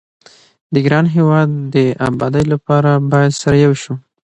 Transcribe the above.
د ګران هيواد دي ابادي لپاره بايد سره يو شو